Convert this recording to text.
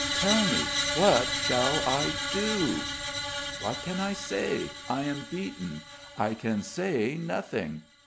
Tell me, what shall I do?" "What can I say? I am beaten. I can say nothing."